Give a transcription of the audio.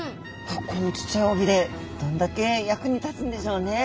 このちっちゃい尾鰭どんだけ役に立つんでしょうね。